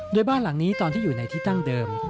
โดยบ้านหลังนี้ตอนที่อยู่ในที่ตั้งเดิม